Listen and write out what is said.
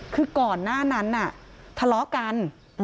คือก่อนหน้านั้นทะเลาะกัน